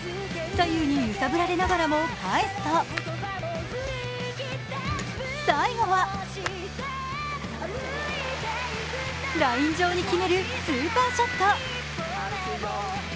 左右に揺さぶられながらも返すと最後はライン上に決めるスーパーショット。